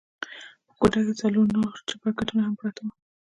په کوټه کښې څلور نور چپرکټونه هم پراته وو.